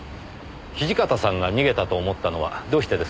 土方さんが逃げたと思ったのはどうしてですか？